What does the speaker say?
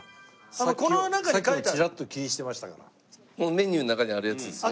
メニューの中にあるやつですね。